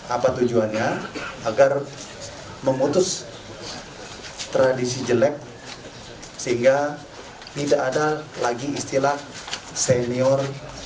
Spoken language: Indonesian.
apa tujuannya agar memutus tradisi jelek sehingga tidak ada lagi istilah senior